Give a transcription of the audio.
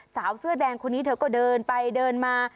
สาวเสื้อแดงคนนี้เธอก็เดินไปเดินมา